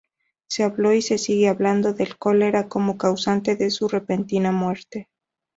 Se habló, y se sigue hablando, del cólera como causante de su repentina muerte.